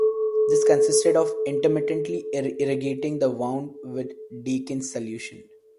This consisted of intermittently irrigating the wound with Dakin's solution.